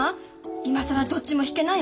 今更どっちも引けないもん。